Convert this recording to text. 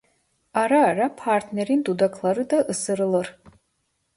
Ara ara partnerin dudakları da ısırılır.